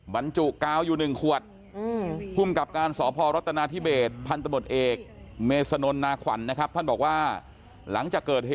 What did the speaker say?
บรรจุกาวอยู่๑ขวด